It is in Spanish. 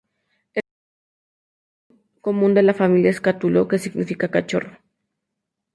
El cognomen común de la familia es Cátulo, que significa "cachorro".